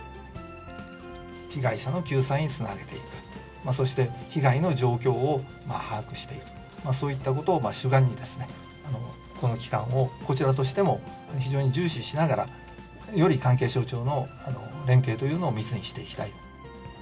被害者の救済につなげていく、そして、被害の状況を把握していくと、そういったことを主眼に、この期間をこちらとしても非常に重視しながら、より関係省庁の連携というのを密にしていきたい。